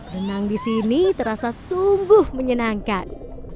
renang di sini terasa sungguh menyenangkan